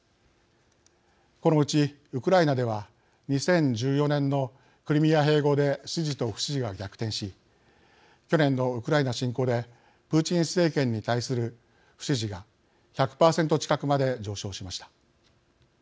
このうち、ウクライナでは２０１４年のクリミア併合で支持と不支持が逆転し去年のウクライナ侵攻でプーチン政権に対する不支持が１００％近くまで上昇しました。